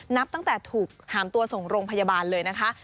นับตั้งแต่ถูกหามตัวส่งโรงพยาบาลเลยนะคะ